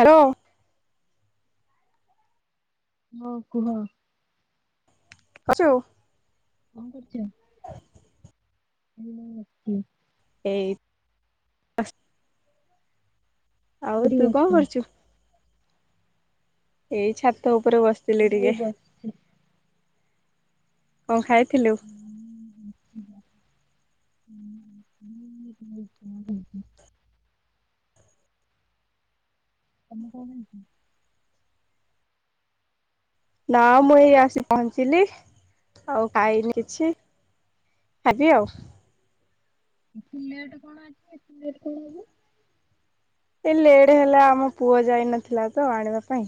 Hello. ହଁ କୁହ। କଣ କରୁଚୁ? କଣ କରୁଛ? ହୁଁ ଉଁ ହୁଁ। ଏଇ ଆଉ ତୁ ବସିଛ କଣ କରୁଚୁ? ଏଇ ଛାତ ଉପ ଉପରେ ବସିଥିଲି ମୁଁ ଏଇ ଟିକେ। ବସିଛି। ହୁଁ, କଣ ଖାଇ ଥିଲୁ। ହୁଁହୁଁ ହୁଁ ହୁଁ ହୁଁହୁଁ। [inaudible] ନା ମୁଁ ଏଇ ଆସି ପହଞ୍ଚିଲି, ଆଉ ଖାଇନି କିଛି ଖାବି ଆଉ ଏ ପ୍ଲେଟ୍ କଣ ଅଛି ଏ ପ୍ଲେଟ୍ କଣ ହେବ? ଏ ଲେଟ୍ ହେଲା ଆମ ପୁଅ ଯାଇନଥିଲା ତ ଆଣିବା ପାଇଁ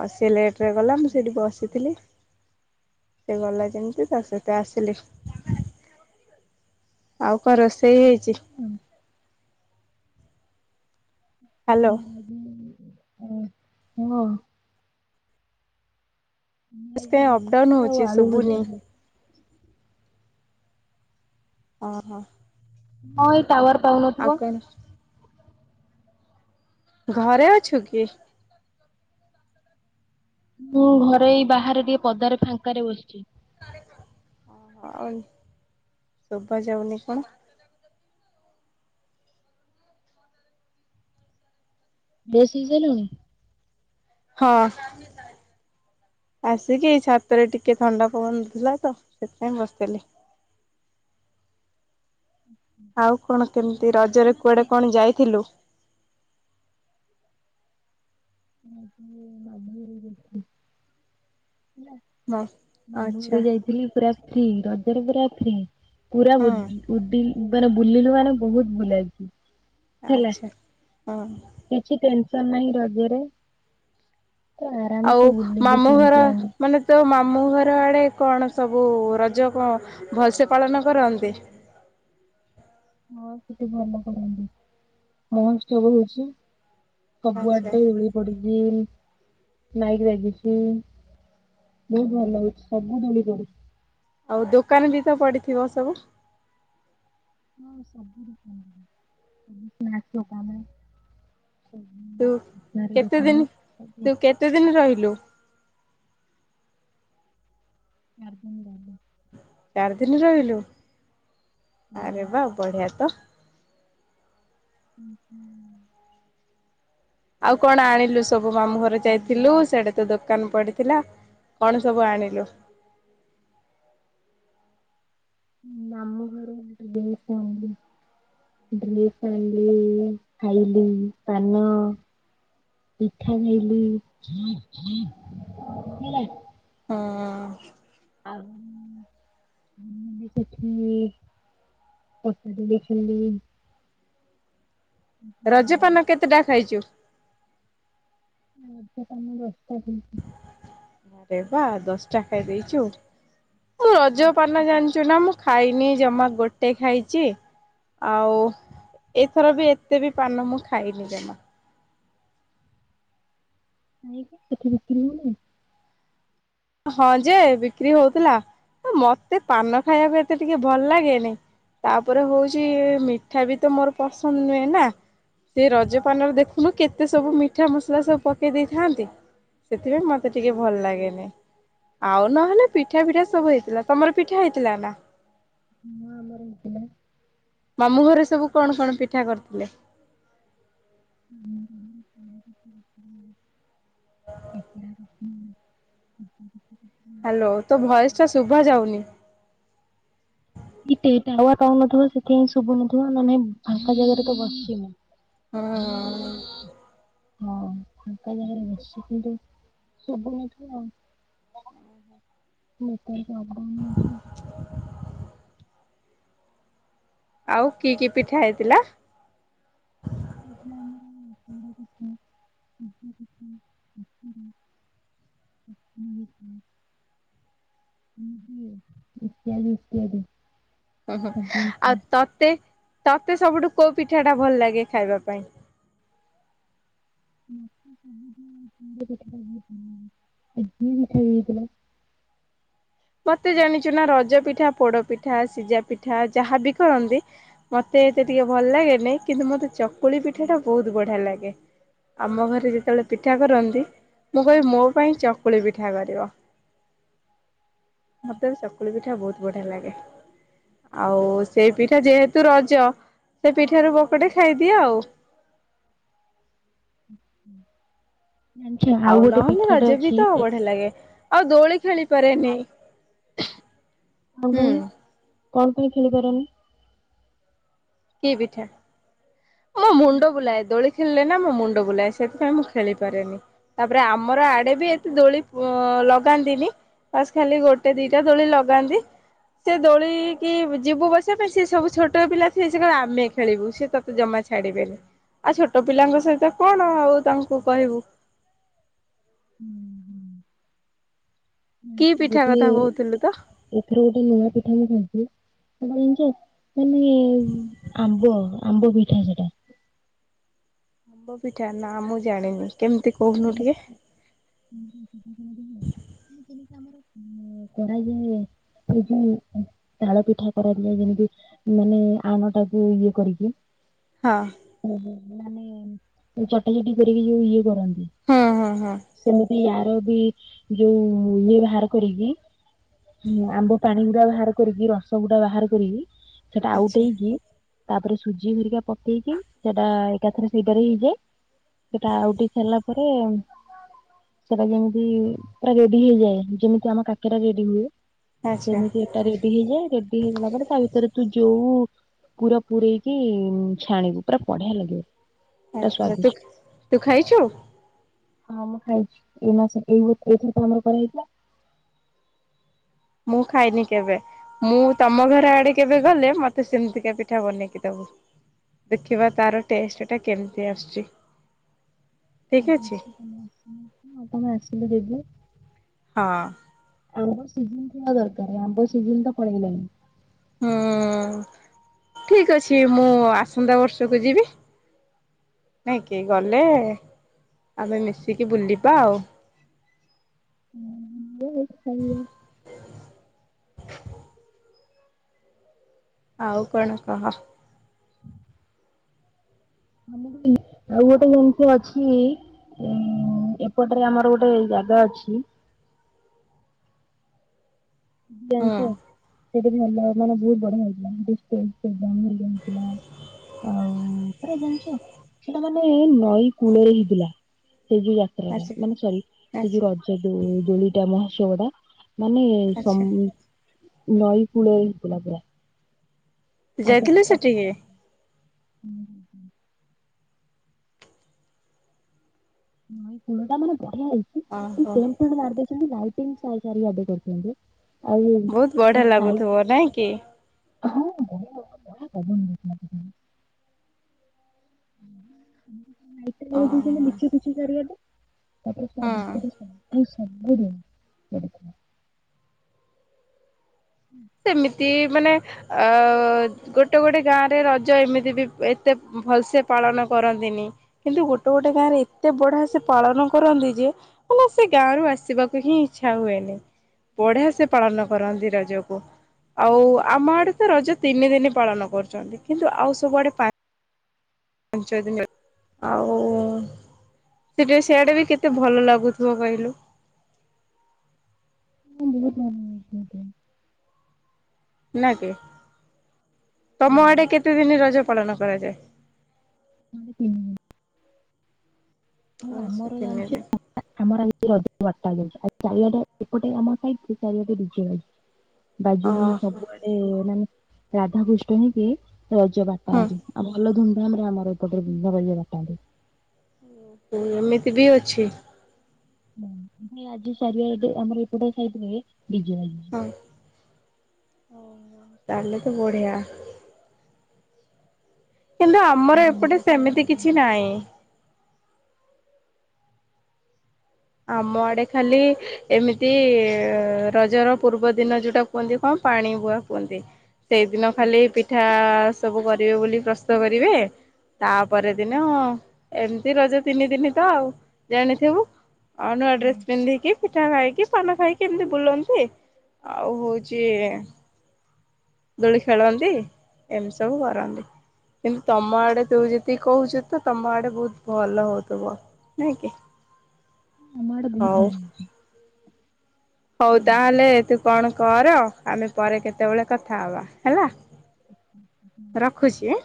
ଆଉ ସି ଲେଟ୍ ରେ ଗଲା ମୁଁ ସେଇଠି ରୁଟି ବସିଥିଲି ସେ ଗଲା ଯେମିତି ତା ସେତ ଆସିଲି ଆଉ ରୋଷେଇ ହେଇଛି ସହିତ ହ୍ୟାଲୋ। ହ ହଁ ବସ୍ ଆଜି କାଁ ଅପ ରୁଟି ଡାଉନ୍ ଆଉ ହଉଛି ଆଳୁ ଭଜା ଶୁଭୁନି ହବ। ହ ହଁ ଟାୱାର ପାଉନିବ ଘରେ ଅଛୁ କି ମୁଁ ଘରେ ଏଇ ବାହାରେ ଟିକେ ପଦାରେ ଫାଙ୍କାରେ ବସିଛି ଆଉ ଶଭାଯାଉନି କଣ। ଦେେଶୀ ଦେନଣିି ହଁ ଆସିକି ଛାତରେ ଟିକେ ଥଣ୍ଡା ପବନଥିଲା ତ ସେଥିପାଇଁ ବସିଥିଲି ଆଉ କଣ କେମିତି ରଜରେ ମାମୁଁ କୁଆଡେ କଣ ଯାଇଥିଲୁ ଆ ମ ହଁ ଆଚ୍ଛା ମାମୁରୁ ଯାଇଥିଲି ପୁରା ଫ୍ରୀ ରଜର ପରା ଫ୍ରୀ କରା ବ ହୁଁ ଉଡି ମାନେ ବୁଲିଲୁ ମାନେ ବହୁତ ଭୁଲଇଛି ଆଚ୍ଛା ହଁ କିଛି ଟେନସନ ନାହିଁ ରଜରେ ତ ଆଉ ଆରାମସେ ବୁଲିଲୁ ମାମଁ ଘର କିଣିକି ଆଣି ମାନେ ତୋ ମାମ ଆମ ଘର ଆଡ଼େ କଣ ସବୁ ରଜ ଭଲସେ ପାଳନ କରନ୍ତି ହଁ ସେଠି ଭଲ କରନ୍ତି ମହ ସବ ହଉଛି ଆଚ୍ଛା ସବୁଆଡେ ଉଳି ପଡିଛି ନାଇକି ଲାଗିଛି ବହୁତ ଭଲ ଲାଗୁଛି ସବୁ ଦଳି ପଡୁଛି ଆଉ ଦୋକାନ ଦ ତ ପଡିଥିବ ସବୁ ହଁ ସବୁୁ ନାସିବ କମେ ତୁ କେତେ ଦିନ ସବୁ ତୁ କେତେ ଦିନ ରହିଲୁ। କରଦନ କରଦ ଚାରିଦିନ ରହିଲୁ ଆରେ ଗାର୍ଡେନ ବା ବଢ଼ିଆ ତ। ହୁଁ ହୁଁ। ଆଉ କଣ ଆଣିଲୁ ସବୁ ମାମୁଁ ଘରେ ଯାଇଥିଲୁ ସେଟେ ତ ଦୋକାନ ପଡିଥିଲା କଣ ସବୁ ଆଣିଲୁ? ଆମ ଘରେ ଗ ଡ୍ରେସ୍ ଆଣିଲ ଡ୍ରେସ୍ ଆଣିଲି ଖାଇଲି ପାନ ପିଠା ଖାଇଲି ହେଲା। ହୁଁ । ଆଉ ଉଁ ମୁଁ ଉଁ ସେଠି ପଟା ଦୋଳି ଖେଳିଲି। ରଜପାନ କେତେଟା ଖାଇଛୁ? ରଜ ପାନ ଦଶଟା ଖାଇଛି । ଆରେ ବାଃ ଦଶଟା ଖାଇ ଦେଇଛୁ। ମୁଁ ଦଶଟା ରଜପାନ ଜାଣିଛୁ ନା ମୁଁ ଖା ଖାଇନି ଜମା ଗୋଟେ ଖାଇଛି ଆଉ ଏଥର ବି ଏତେ ବି ପାନ ମୁଁ ଖାଇନି ଜମା। ନାଇଁ ତ ସେଠି ବିକ୍ରି ହଉନି? ହଁ ଯେ ବିକ୍ରି ହଉଥିଲା ମୋତେ ପାନ ଖାଇବାକୁ ଏତେ ଟିକେ ଭଲ ଲାଗେନି। ତାପରେ ହଉଛି ମିଠା ବି ତ ମୋର ପସନ୍ଦ ନୁହେଁ ନା। ସେ ରଜ ପାନରେ ଦେଖୁନୁ କେତେ ସବୁ ମିଠା ମସଲା ସବୁ ପକେଇ ଦେଇଥାନ୍ତି ସେଥିପାଇଁ ମୋତେ ଟିକେ ଭଲ ଲାଗେନି। ଆଉ ନହେଲେ ପିଠା ପିଠା ସବୁ ହେଇଥିଲା। ତମର ପିଠା ହେଇଥିଲା ନା? ହଁ ଆମର ହେଇଥିଲା। ମାମୁଁ ଘରେ ସବୁ କଣ କଣ ପିଠା କରିଥିଲେ? ମାମୁଁ ଘରେ ପୋଡ଼ ହେଇଥିଲା। ଏଟ [unintelligible] ହୁ୍ [unintelligible] ହ୍ୟାଲୋ। ତୋ ଭଏସ ଟା ଶୁଭା ଯାଉନି। କି ଟେ ଟାୱାର ପାଉନଥିବ ସେଥିପାଇଁ ହିଁ ଶୁଭୁନଥିବ ନନେ ଫାଙ୍କା ଜାଗାରେ ତ ବସିଛିି ମୁଁ । ହୁଁ। ହୁଁ। ହଁ ଫାଙ୍କା ଜାଗାରେ ବସିକିରି ସବୁନଥିବ ଆଉ ନେଟୱାର୍କ [inaudible] ଆଉ କି କି ପିଠା ହେଇଥିଲା? [unintelligible] ଇତ୍ୟାଦି ଇତ୍ୟାଦି। ହଁ ହଁ ଆଉ ତତେ ତତେ ସବୁଠୁ କୋଉ ପିଠା ଟା ଭଲ ଲାଗେ ଖାଇବା ପାଇଁ? ମତେ ସବୁଠୁ ପୋଡ ପିଠା ଟା ବହୁତ ଭଲ ଲାଗେ। [unintelligible] ମତେ ଜାଣିଛୁ ନା ରଜ ପିଠା ପୋଡ ପିଠା, ସିଝା ପିଠା, ଯାହାବି କରନ୍ତି ମୋତେ ଏତେ ଟିକେ ଭଲ ଲାଗେ ନାଇଁ କିନ୍ତୁ ମୋତେ ଚକୁଳି ପିଠା ଟା ବହୁତ ବଢ଼ିଆ ଲାଗେ। ଆମ ଘରେ ଯେତେବେଳେ ପିଠା କରନ୍ତି ମୁଁ କହିବି ମୋ ପାଇଁ ଚକୁଳି ପିଠା କରିବ। ମତେ ଶକୁଳି ବି ଠା ବହୁତ ବଢିଆ ଲାଗେ। ଆଉ ସେଇ ପିଠା ଯେହେତୁ ରଜ ସେ ପିଠା ରୁ ବକଟେ ଖାଇଦିଏ ଆଉ। ହୁଁ। ଆଉ ନହେଲେ ରଜ ବି ତ ବଢିଆ ଲାଗେ ଆଉ ଦୋଳିି ଖେଳିପାରେନି। କ ପାଇଁ? କଣ ପାଇଁ ଖେଳିପାରନି? କି ପିଠା? ମୋ ମୁଣ୍ଡ ଜାଣିଛ ବୁଲାଏ ଦୋଳି ଖେଳିଲେ ନା ମୋ ମୁଣ୍ଡ ବୁଲାଏ ସେଥିପାଇଁ ମୁଁ ଖେଳିପାରେନି ତାପରେ ଆମର ଆଡେ ବି ଏତେ ଦୋଳି ପ ଲଗାନ୍ତିନି ଖାସ୍ ଖାଲି ଗୋଟେ ଦିଟା ଦୋଳି ଲଗାନ୍ତି ସେ ଦୋଳି କିି ଯିବୁ ବସିବା ପାଇଁ ସେ ସବୁ ଛୋଟ ପିଲା ଥିଲେ ସେ କହିବେ ଆମେ ଖେଳିବୁ ସେ ତ ଜମା ଛାଡିବେନି ଆଉ ଛୋଟ ପିଲାଙ୍କ ସହିତ କଣ ଆଉ ତାଙ୍କୁ କହିବୁ। ହୁଁ ହୁଁ। କି [unintelligible] ପିଠା ଗୋଟେ ଏ କଥା କହୁଥିଲୁ ତ? ଏଥର ଗୋଟେ ନୂଆ ପିଠା ମୁଁ [unintelligible] [unintelligible] ଜଣିଛ ମାନେ ଆମ୍ବ ଆମ୍ବ ପିଠା ସେଟା। ଆମ୍ବ ପିଠା ନା ମୁଁ ଜାଣିନି। କେମିତି କହୁନୁ [unintelligible] ଟିକେ ଯେମିତି ଆମର ହଁ କରାଯାଏ, ସେ ଯୋଉ ତାଳ ପିଠା କରାଯାଏ, ଯେମିତି ମାନେ ଆଣ ଟାକୁ ଇଏ କରିକି। ହଁ। ଉଁ, ମାନେ ଚଟାଚଟି କରିକି ଯଉ ଇଏ କରନ୍ତି। ହଁ ହଁ ହଁ ସେମିତି ଆର ବି ଯଉ ଇଏ ବାହାର କରିକି ଆମ୍ବ ପାଣି ଗୁଡା ବାହାର କରିକି ରସ ଗୁଡା ବାହାର କରିକି ସେଟା ଆଚ୍ଛା ଆଉଟ ହେଇକି ତାପରେ ସୁଜି ହରିକା ପକେଇକି ସେଟା ଏକାଥରେ ସେଇଟାରେ ହେଇଯାଏ। ସେଟା ଆଉ ଟିକେ ସ ତାରେ ସେଟା ଯେମିତି ପୁରା ରେଡି ହେଇଯାଏ, ଯେମିତି ଆମ କାକରା ରେଡି ହୁଏ। ଆଚ୍ଛା ସେମିତି ଏଟା ରେଡି ହେଇଯାଏ, ରେଡି ହେଇଗଲା ପରେ ତା ଭିତରେ ତୁ ଯଉ ପୁରା ପୂୁରଇକି ଛାଣିବୁ, ପୁରା ବଢିଆ ଲାଗିବ। ପୁରା ଆଚ୍ଛା, ତୁ ସ୍ଵାଦିଷ୍ଟ। ତୁ ଖାଇଚୁ? ହଁ ମୁ ଖାଇଚି। ଏ ମାସ ଏଇ [unintelligible] ଇଥିଲା। ମୁଁ ଖାଇନି କେବେ। ମୁଁ ତମ ଘର ଆଡେ କେବେ ଗଲେ ମତେ ସେମିତିକା ପିଠା ବନେଇକି ଦବୁ। ଦେଖିବା ତାର ଟେଷ୍ଟ ଟା କେମିତି ଆସୁଚି? [unintelligible] ଆ ତମେ ଆସିଲେ ଦେବି। ହଁ। ଆମ୍ବ ସିଜିନ ଦରକାର। ଆମ୍ବ ସିଜିନ ତ ପଳେଇଲାଣି। ହୁଁ, ଠିକ ଅଛି ମୁଁ ଆସନ୍ତା ବର୍ଷକୁ ଯିବି। ନାଇକି ଗଲେ ଆମେ ମିଶିକି ବୁଲିବା ଆଉ। ହୁଁ [unintelligible] ସେୟା। ଆଉ କଣ କହ? ମାନେ ଗୋଟେ ଆଉ ଏବେ ଯେମିତି ଅଛି, ଏ ଏପଟରେ ଆମର ଗୋଟେ ଜାଗା ଅଛି। [unintelligible] ହୁଁ ସେଇଟି ଭଲ ମାନେ ବହୁତ ବଢିଆ ମନ୍ଦିର ଟେ [unintelligible] ଆଉ ଆଚ୍ଛା ଜାଣିଚ ସେଟା ମାନେ ନଈ କୂଳରେ ହେଇଥିଲା। ସେଇ ଯଉ ଯାତ୍ରା ଟା। ଆଚ୍ଛା ମାନେ ସୋରି ସେ ଯଉ ଆଚ୍ଛା ରଜ ଦୋଳି ଦୋଳିଟା ବାଃ ଶୋଡ଼ା। ମାନେ ଆଚ୍ଛା [unintelligible] ନଈ କୂଳେ [inaudible] ପୂରା। ଯାଇଥିଲେ ସେଠିକି। [unintelligible] [unintelligible] ଓହୋ [unintelligible] [unintelligible] ବହୁତ ତା ବଢିଆ ସାଇଡ ଲାଗୁଥିବ ନାଇଁ କି। [unintelligible] [unintelligible] ଓହୋ [unintelligible] ହଁ [unintelligible] [unintelligible] ସେମିତି ମାନେ ଅ ଗୋଟେ ଗୋଟେ ଗାଁରେ ରଜ ଏମିତି ବି ଏତେ ଭଲସେ ପାଳନ କରନ୍ତିନି କିନ୍ତୁ ଗୋଟେ ଗୋଟେ ଗାଁରେ ଏତେ ବଢିଆ ସେ ପାଳନ କରନ୍ତି ଯେ ମାନେ ସେ ଗାଁରୁ ଆସିବାକୁ ହିଁ ଇଚ୍ଛା ହୁଏନି ବଢିଆ ସେ ପାଳନ କରନ୍ତି ରଜକୁ। ଆଉ ଆମ ଆଡେ ତ ରଜ ତିନି ଦିନ ପାଳନ କରୁଛନ୍ତି କିନ୍ତୁ ଆଉ ସବୁଆଡେ ପା। ପାଞ୍ଚ ଦିନ ଆଉ [inaudible] ସେଇଆଡ଼େ ବି କେତେ ଭଲ ଲାଗୁଥିବ କହିଲୁ। [unintelligible] ନା କି। ତମ ଆଡେ କେତେ ଦିନ ରଜ ପାଳନ। କରାଯାଏ। [unintelligible] [unintelligible] ତିନି ଦିନ ଆ ଚାରିଆଟା ଏପଟେ ଆମ ସାଇ [inaudible] ବାଜୁଛି ଓହୋ ସବୁଆଡେ [inaudible] ରାଧାକୃଷ୍ଣ [inaudible] ରଜ [inaudible] ହୁଁ। ଆଉ ଭଲ ଧୁମ୍। [unintelligible] [unintelligible] ଓ ହୋ ଏମିତି ବି ଅଛି। [inaudible] ଆଜି ଚାରିଆଡ଼େ ଆମର ଏପଟେ [inaudible] ହଁ [unintelligible] ତାହେଲେ ତ ବଢ଼ିଆ। କିନ୍ତୁ ଆଉ ଆମର ରଙ୍ଗ ଏପଟେ ଫଙ୍ଗ ସେମିତି ଲଗାନ୍ତି କିଛି ନାହିଁ। ଆମ ଆଡେ ଖାଲି ଏମିତି ରଜର ପୂର୍ବ ଦିନ ଯୋଉଟା କୁହନ୍ତି କଣ ପାଣି ବୁଆ କୁହନ୍ତି। ସେଇଦିନ ଖାଲି ପିଠା। ସବୁ କରିବେ ବୋଲି ପ୍ରସ୍ତୁତ କରିବେ ତାପରେ ଦିନ ଏମିତି ରଜ ତିନି ଦିନ ତ ଆଉ ଜାଣିଥିବୁ। ଆଉ ନୂଆ ଡ୍ରେସ୍ ପିନ୍ଧିକି। ପିଠା ଖାଇକି ପାନ ଖାଇକି ଏମିତି ବୁଲନ୍ତି ଆଉ ହଉଛି ଦୋଳି ଖେଳନ୍ତି ଏମିତି ସବୁ କରନ୍ତି କିନ୍ତୁ ତମ ଆଡ଼େ ତୁ ଯେତିକି କହୁଛୁ ତ ତମ ଆଡେ ବହୁତ ଭଲ ହଉଥିବ ନାଇହିଁ କି? ଆମ ହଉ। ଆଡେ ହଉ ଭଲ ତାହେଲେ ତୁ କଣ କର ଆମେ ପରେ କେତେବେଳେ କଥା ହବା ହେଲା। ରଖୁଛି ଆଁ।